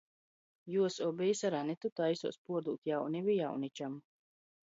Juos obejis ar Anitu taisuos puordūt jaunivi jauničam.